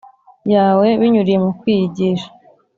yawe binyuriye mu kwiyigisha